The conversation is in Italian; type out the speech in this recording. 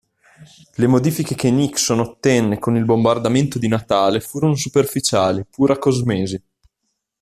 Le modifiche che Nixon ottenne con il "bombardamento di Natale" furono superficiali, pura "cosmesi".